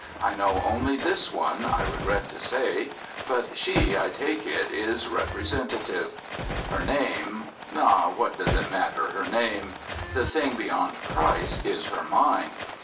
I know only this one, I regret to say, but she, I take it, is representative. Her name ah, what does it matter, her name? The thing beyond price is her mind.